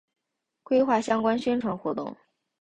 规划相关宣传活动